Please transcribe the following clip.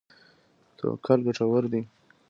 توکل ګټور دی.